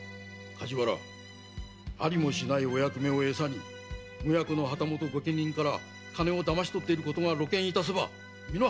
梶原ありもしないお役目をエサに無役の旗本御家人から金を騙し取っていることが露見いたせば身の破滅！